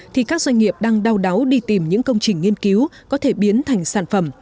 thì các doanh nghiệp đang đau đáu đi tìm những công trình nghiên cứu có thể biến thành sản phẩm